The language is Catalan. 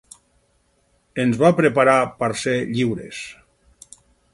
Ens va preparar per ser lliures.